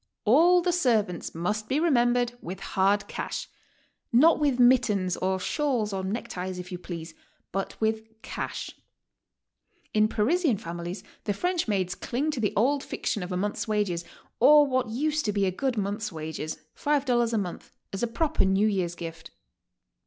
All the servants must be remembered with hard cash — not with mittens or shawls or neckties, if you please, but with cash. In Parisian families the French maids cling to the old fiction of a month's wages, or what used to be a good month's wages, $5 a month, as a proper New Year's gift.